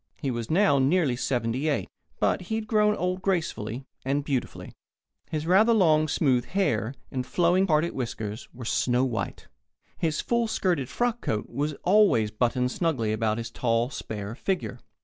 He was now nearly seventy eight, but he had grown old gracefully and beautifully. His rather long, smooth hair and flowing, parted whiskers were snow white. His full skirted frock croak was always buttoned snugly about his tall, spare figure.